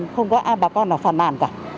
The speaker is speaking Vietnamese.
không có ai bà con là phản bản cả